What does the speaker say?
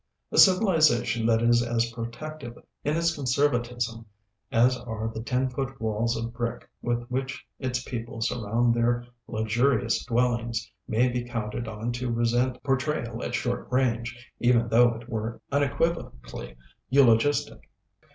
A civilization that is as protective in its conservatism as are the ten foot walls of brick with which its people surround their luxurious dwellings may be counted on to resent portrayal at short range, even though it were unequivocally eulogistic.